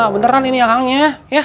beneran ini ya kang ya